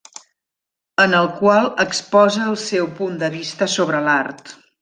En el qual exposa el seu punt de vista sobre l'art.